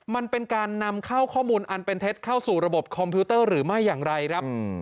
มันเป็นการนำเข้าข้อมูลอันเป็นเท็จเข้าสู่ระบบคอมพิวเตอร์หรือไม่อย่างไรครับ